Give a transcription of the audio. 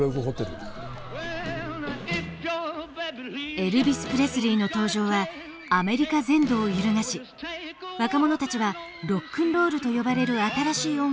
エルヴィス・プレスリーの登場はアメリカ全土を揺るがし若者たちは「ロックンロール」と呼ばれる新しい音楽に熱狂した。